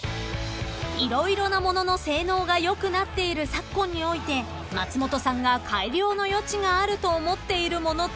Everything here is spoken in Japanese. ［色々なものの性能が良くなっている昨今において松本さんが改良の余地があると思っているものとは？］